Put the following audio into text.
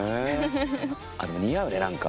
あっでも似合うね何か。